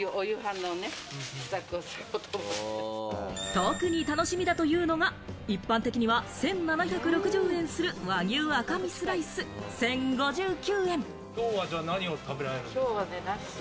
特に楽しみだというのが、一般的には１７６０円する和牛赤身スライス１０５９円。